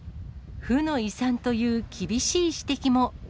負の遺産という厳しい指摘も。